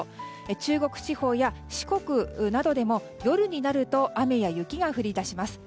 中国地方や四国などでも夜になると雨や雪が降り出します。